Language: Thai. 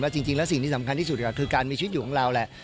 จริงแล้วสิ่งที่สำคัญที่สุดก็คือการมีชีวิตอยู่ของเราแหละ